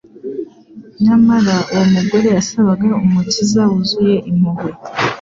Nyamara uwo mugore yasabaga Umukiza wuzuye impuhwe,